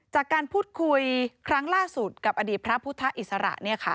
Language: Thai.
จากการพูดคุยครั้งล่าสุดกับอดีตพระพุทธอิสระ